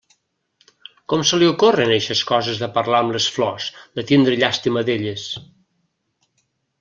Com se li ocorren eixes coses de parlar amb les flors, de tindre llàstima d'elles?